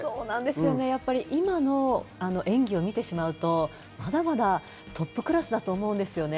今の演技を見てしまうと、まだまだトップクラスだと思うんですよね。